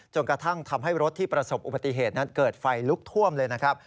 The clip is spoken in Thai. กระทั่งทำให้รถที่ประสบอุบัติเหตุนั้นเกิดไฟลุกท่วมเลยนะครับ